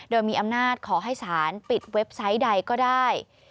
โดยมีอำนาจขอให้สารปิดเว็บไซต์ใดก็ได้